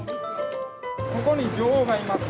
ここに女王がいます。